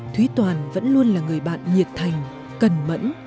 thúy toàn vẫn luôn là người bạn nhiệt thành cẩn mẫn